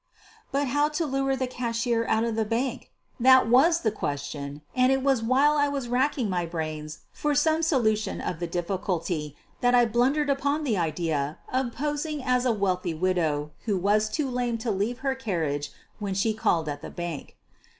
But how to lure the cashier out of the bank 7 That was the question, and it was while I was racking my brains for some solution of the difficulty that I blundered upon the idea of posing as a QUEEN OF THE BURGLARS 219 wealthy widow who was too lame to leave her car riage when she called at the bank.